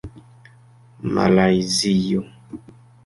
malajzio